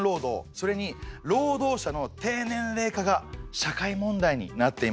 それに労働者の低年齢化が社会問題になっていました。